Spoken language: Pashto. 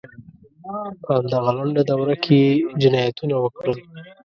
په همدغه لنډه دوره کې یې جنایتونه وکړل.